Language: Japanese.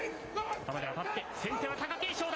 頭で当たって、先手は貴景勝だ。